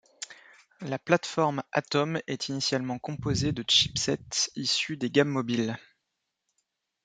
La plate-forme Atom est initialement composé de chipsets issus des gammes mobiles.